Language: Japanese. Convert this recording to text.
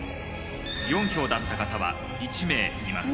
４票だった方は１名います。